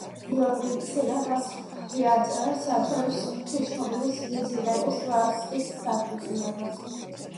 გიორგი მცირე მას მიაწერს ათონის ღვთისმშობლის მიძინების მონასტრის დაფუძნებას.